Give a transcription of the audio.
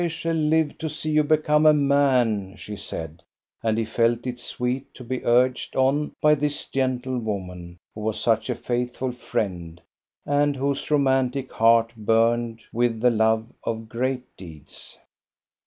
I shall live to see you become a man," she said. And he felt it sweet to be urged on by this gentle woman, who was such a faithful friend, and whose romantic heart burned with the love of gpreat deeds.